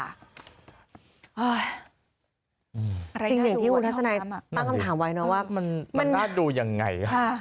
สิ่งหนึ่งที่อุณสนัยตั้งคำถามไว้เนอะว่ามันน่าดูยังไง